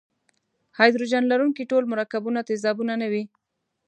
هایدروجن لرونکي ټول مرکبونه تیزابونه نه وي.